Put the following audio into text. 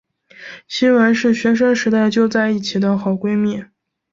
希汶是学生时代就在一起的好闺蜜。